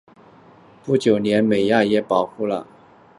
不久连美雅也为了保护希布亦牺牲了性命。